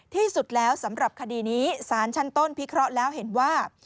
ที่สุดแล้วสำหรับคดีนี้สารชั้นต้นพิเคราะห์แล้วเห็นว่า